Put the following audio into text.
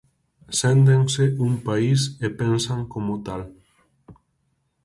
Séntense un país e pensan como tal.